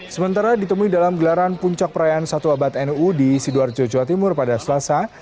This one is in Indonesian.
sementara ditemui dalam gelaran puncak perayaan satu abad nu di sidoarjo jawa timur pada selasa